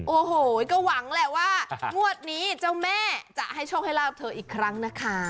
โอ้โหก็หวังแหละว่างวดนี้เจ้าแม่จะให้โชคให้ลาบเธออีกครั้งนะคะ